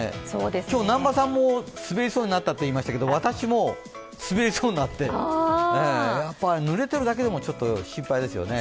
今日、南波さんも滑りそうになったといいましたけど私も滑りそうになって濡れているだけでも心配ですよね。